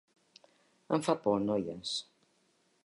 Em fa por, noies.